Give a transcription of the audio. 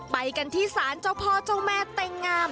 ไปกันที่ศาลเจ้าพ่อเจ้าแม่เต็งงาม